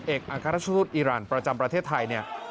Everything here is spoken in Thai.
อัครราชทูตอีรานประจำประเทศไทยเนี่ย